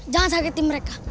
jangan sakiti mereka